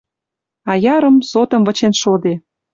Аярым, сотым вычен шоде